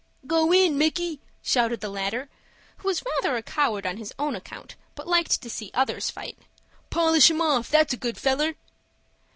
"Go in, Micky!" shouted the latter, who was rather a coward on his own account, but liked to see others fight. "Polish him off, that's a good feller."